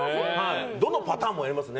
どのパターンもやりますね。